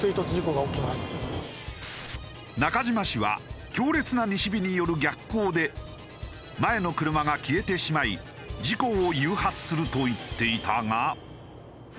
中島氏は強烈な西日による逆光で前の車が消えてしまい事故を誘発すると言っていたが。